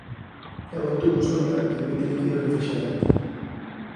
Leva un tubo sonda que admite líquido refrixerante.